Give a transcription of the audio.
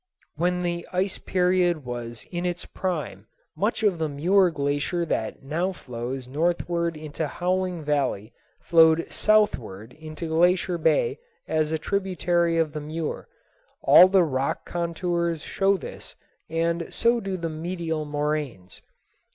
When the ice period was in its prime, much of the Muir Glacier that now flows northward into Howling Valley flowed southward into Glacier Bay as a tributary of the Muir. All the rock contours show this, and so do the medial moraines.